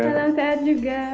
salam sehat juga